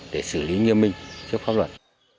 để xử lý nghiêm minh trước pháp luật